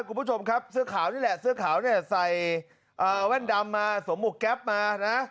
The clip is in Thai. คุณผู้ชมครับเสื้อขาวนี่แหละเสื้อขาวเนี่ยใส่แว่นดำมาสวมหวกแก๊ปมานะ